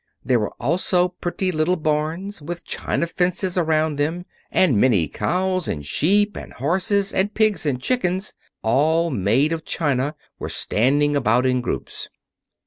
There were also pretty little barns, with china fences around them; and many cows and sheep and horses and pigs and chickens, all made of china, were standing about in groups.